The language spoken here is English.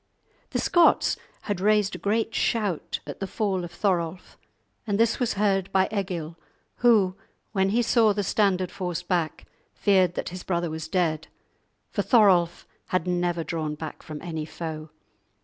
The Scots had raised a great shout at the fall of Thorolf, and this was heard by Egil, who, when he saw the standard forced back, feared that his brother was dead, for Thorolf had never drawn back from any foe.